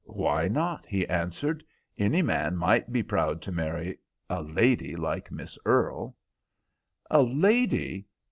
"Why not?" he answered. "Any man might be proud to marry a lady like Miss Earle." "A lady!